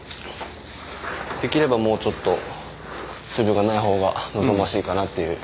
できればもうちょっと水分がない方が望ましいかなっていう。